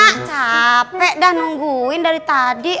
ah capek dah nungguin dari tadi